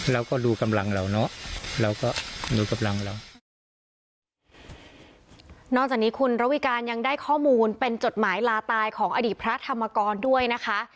เราก็ดูกำลังเราเนอะเราก็ดูกำลังเรานอกจากนี้คุณระวิการยังได้ข้อมูลเป็นจดหมายลาตายของอดีตพระธรรมกรด้วยนะคะ